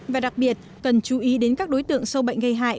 và đặc biệt cần chú ý đến các đối tượng sâu bệnh gây hại